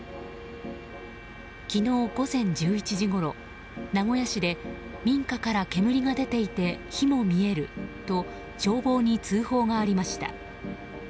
昨日午前１１時ごろ、名古屋市で民家から煙が出ていて火も見えると消防に通報がありました。